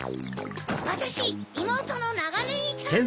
わたしいもうとのナガネギちゃんネギ！